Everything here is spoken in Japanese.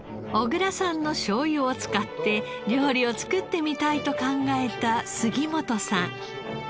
小倉さんのしょうゆを使って料理を作ってみたいと考えた杉本さん。